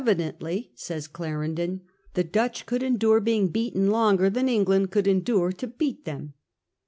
dently,' says Clarendon, ' the Dutch could endure being beaten longer than England could endure to beat them.